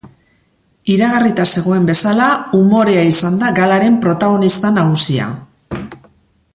Iragarrita zegoen bezala, umorea izan da galaren protagonista nagusia.